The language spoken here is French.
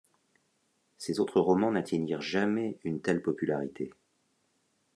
Ses autres romans n'atteignirent jamais une telle popularité.